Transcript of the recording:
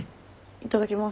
いただきます。